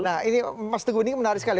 nah ini mas teguh ini menarik sekali